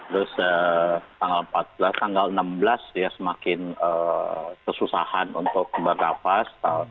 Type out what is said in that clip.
terus tanggal empat belas tanggal enam belas ya semakin kesusahan untuk bernafas